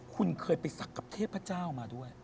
คุณเคยไปศักดิ์กับเทพเจ้ามาด้วย